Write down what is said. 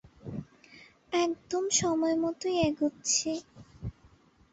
একদম সময়মতোই এগোচ্ছি।